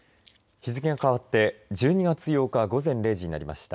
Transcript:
日付が変わって１２月８日午前０時になりました。